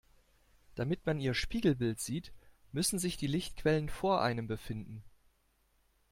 Damit man ihr Spiegelbild sieht, müssen sich die Lichtquellen vor einem befinden.